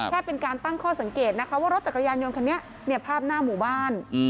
แค่เป็นการตั้งข้อสังเกตนะคะว่ารถจักรยานยนต์คันนี้เนี่ยภาพหน้าหมู่บ้าน